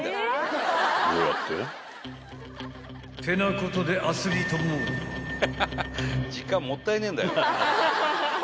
［ってなことでアスリートモードへ］